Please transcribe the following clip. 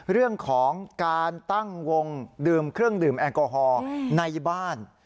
เรื่องของการตั้งวงดื่มเครื่องดื่มแอลกอฮอล์ในบ้าน